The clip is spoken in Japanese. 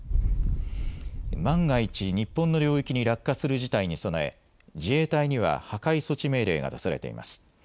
万が一、日本の領域に落下する事態に備え自衛隊には破壊措置命令が出されています。